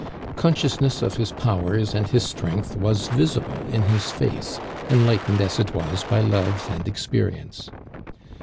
Consciousness of his powers and his strength was visible in his face, enlightened as it was by love and experience.